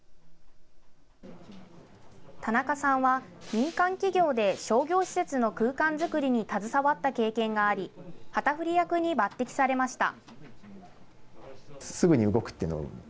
田中さんは、民間企業で商業施設の空間づくりに携わった経験があり、旗振り役に抜てきされました。